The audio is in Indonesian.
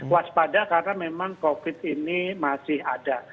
waspada karena memang covid ini masih ada